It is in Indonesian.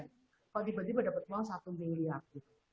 kalau tiba tiba dapat uang satu miliar